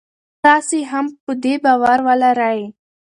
تاسي هم په دې باور ولرئ.